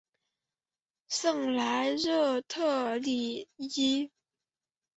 圣莱热特里耶伊。